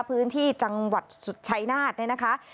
พื้นที่จังหวัดชายนาสน์นะคะ